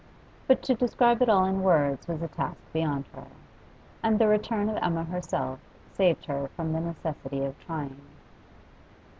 But to describe it all in words was a task beyond her. And the return of Emma herself saved her from the necessity of trying.